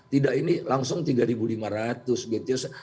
tidak ini langsung tiga lima ratus gitu